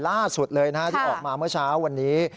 ส่วนมหาดไทยล่าสุดเลยนะครับที่ออกมาเมื่อเช้าวันนี้